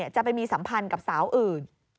จะไปมีสัมพันธ์กับสาวอื่น